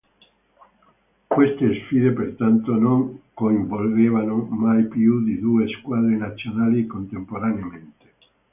Queste sfide pertanto non coinvolgevano mai più di due squadre nazionali contemporaneamente.